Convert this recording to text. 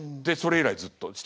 それ以来ずっと。